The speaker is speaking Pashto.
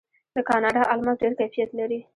د کاناډا الماس ډیر کیفیت لري.